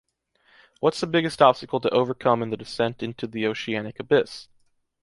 What’s the biggest obstacle to overcome in the descent into the oceanic abyss?